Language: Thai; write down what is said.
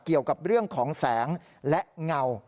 เกี่ยวกับเรื่องของแสงและเงา